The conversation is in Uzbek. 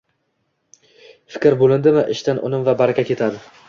Fikr bo‘lindimi, ishdan unum va baraka ketadi.